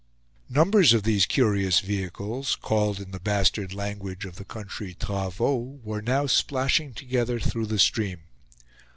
Numbers of these curious vehicles, called, in the bastard language of the country travaux were now splashing together through the stream.